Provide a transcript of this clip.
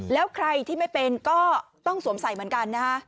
แล้วใครที่ไม่เป็นก็ต้องสวมใส่เหมือนกันนะฮะ